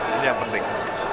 ini yang penting